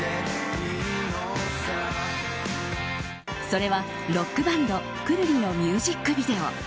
それは、ロックバンドくるりのミュージックビデオ。